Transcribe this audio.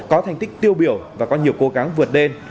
có thành tích tiêu biểu và có nhiều cố gắng vượt lên